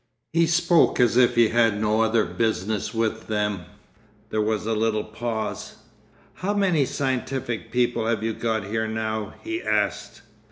He spoke as if he had no other business with them. There was a little pause. 'How many scientific people have you got here now?' he asked.